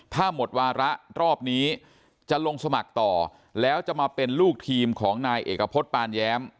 ถ้าหมดวาระรอบนี้จะลงสมัครต่อแล้วจะมาเป็นลูกทีมของนายเอกพฤษปานแย้ม